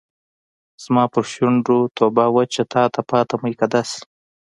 زما پر شونډو توبه وچه تاته پاته میکده سي